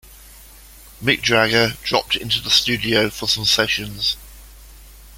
Mick Jagger dropped into the studio for some sessions.